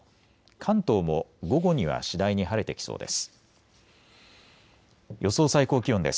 関東も午後には次第に晴れてきそうです。